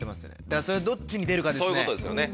だからそれがどっちに出るかですね。